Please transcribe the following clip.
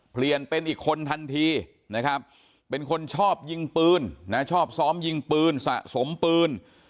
เปลี่ยนเป็นอีกคนทันทีนะครับเป็นคนชอบยิงปืนนะชอบซ้อมยิงปืนสะสมปืน